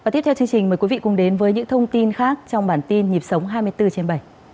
tiếp theo chương trình mời quý vị cùng đến với những thông tin khác trong bản tin nhịp sống hai mươi bốn trên bảy